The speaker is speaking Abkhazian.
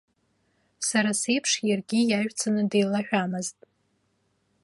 Сара сеиԥш иаргьы иаҩцаны деилаҳәамызт.